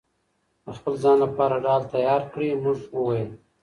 د خپل ځان لپاره ډال تيار کړئ!! مونږ وويل: